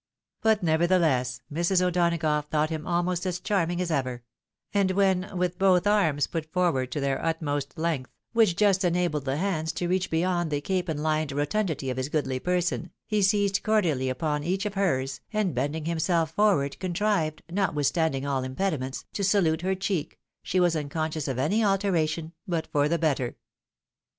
But nevertheless, Mrs. O'Donagough thought him almost as charming as ever ; and when, with both arms put forward to their utmost length, which just enabled the hands to reach beyond the "capon lined " rotundity of his goodly person, he seized cordially upon each of hers, and, bending himself forward, contrived, notwith standing aU impediments, to salute her cheek, she was uncon scious of any alteration, but for the better.